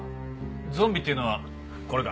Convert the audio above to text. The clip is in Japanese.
ゾンビっていうのはこれか？